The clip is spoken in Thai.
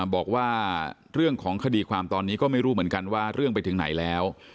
บอกว่าเรื่องของคดีความตอนนี้ก็ไม่รู้เหมือนกันว่าเรื่องไปถึงไหนแล้ว